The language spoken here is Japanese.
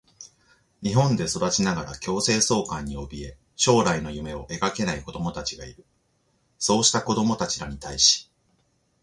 日本で育ちながら強制送還におびえ、将来の夢を描けない子どもたちがいる。そうした子どもらに対し、